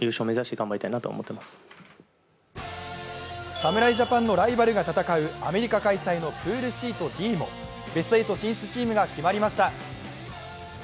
侍ジャパンのライバルが戦うアメリカ開催のプールＣとＤもベスト８進出チームが決まりました。